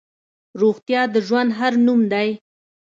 روغتیا د ژوند هر نوم دی.